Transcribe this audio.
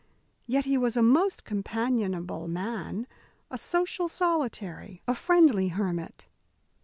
Yet he was a most companionable man, a social solitary, a friendly hermit.